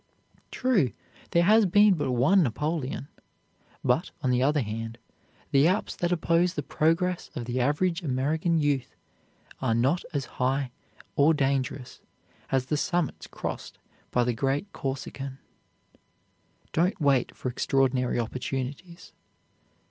True, there has been but one Napoleon; but, on the other hand, the Alps that oppose the progress of the average American youth are not as high or dangerous as the summits crossed by the great Corsican. Don't wait for extraordinary opportunities.